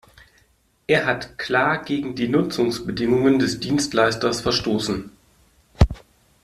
Er hat klar gegen die Nutzungsbedingungen des Dienstleisters verstoßen.